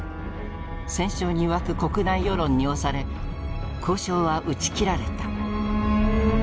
戦勝に沸く国内世論に押され交渉は打ち切られた。